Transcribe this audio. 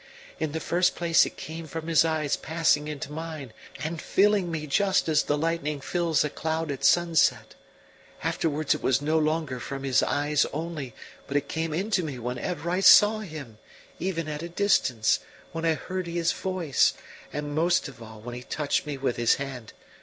In the first place it came from his eyes passing into mine, and filling me just as the lightning fills a cloud at sunset: afterwards it was no longer from his eyes only, but it came into me whenever I saw him, even at a distance, when I heard his voice, and most of all when he touched me with his hand.